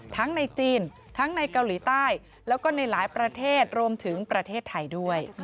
ในจีนทั้งในเกาหลีใต้แล้วก็ในหลายประเทศรวมถึงประเทศไทยด้วย